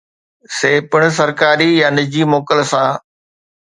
سي پڻ سرڪاري يا نجي موڪل سان